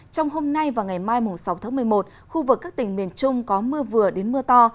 trong hôm nay và ngày mai sáu tháng một mươi một khu vực các tỉnh miền trung có mưa vừa đến mưa to